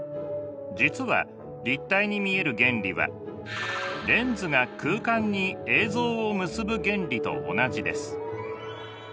実は立体に見える原理はレンズが空間に映像を結ぶ原理と同じです。